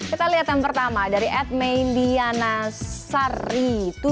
kita lihat yang pertama dari edmayn dianasari tujuh